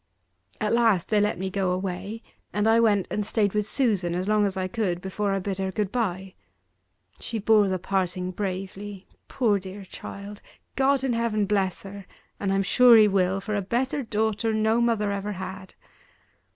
At last they let me go away: and I went and stayed with Susan as long as I could before I bid her good bye. She bore the parting bravely poor, dear child! God in heaven bless her; and I'm sure he will; for a better daughter no mother ever had.